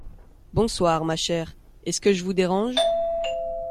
Bonsoir, ma chère ; est-ce que je vous dérange ?